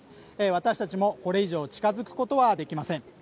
私たちもこれ以上近づくことはできません。